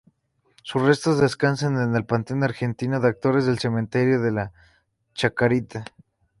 Sus restos descansan en el panteón argentino de actores del Cementerio de la Chacarita.